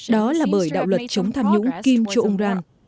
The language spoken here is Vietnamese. đó là bởi đạo luật chống tham nhũng kim cho yong ran